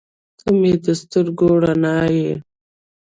• ته مې د سترګو رڼا یې.